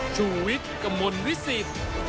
ชุวิตกมลวิสิต